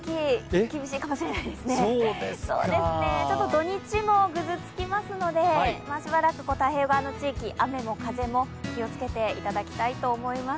土日もぐずつきますので今しばらく太平洋側の地域、雨も風も気をつけていただきたいと思います。